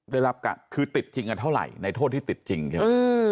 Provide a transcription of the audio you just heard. ได้รับการคือติดจริงกันเท่าไหร่ในโทษที่ติดจริงใช่ไหม